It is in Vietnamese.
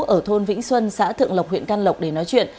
ở thôn vĩnh xuân xã thượng lộc huyện can lộc để nói chuyện